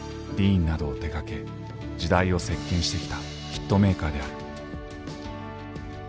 ＤＥＥＮなどを手がけ時代を席巻してきたヒットメーカーである。